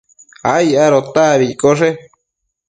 ai adota abi iccoshe